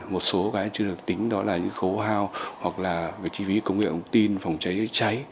một số cái chưa được tính đó là những khấu hao hoặc là cái chi phí công nghiệp tinh phòng cháy cháy